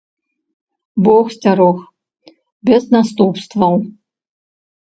Бог сцярог, без наступстваў.